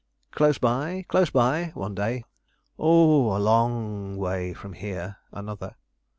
'Close by close by,' one day. 'Oh! a lo o ng way from here,' another.